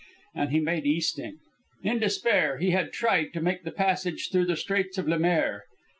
And he made easting. In despair, he had tried to make the passage through the Straits of Le Maire.